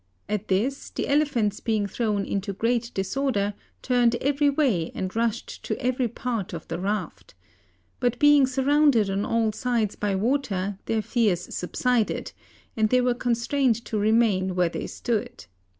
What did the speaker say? At this, the elephants being thrown into great disorder, turned every way, and rushed to every part of the raft. But being surrounded on all sides by water, their fears subsided, and they were constrained to remain where they stood.